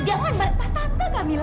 jangan bantah tante kamila